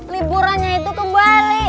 liburannya itu kembali